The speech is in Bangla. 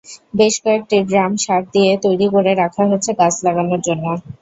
বেশ কয়েকটি ড্রাম সার দিয়ে তৈরি করে রাখা হয়েছে গাছ লাগানোর জন্য।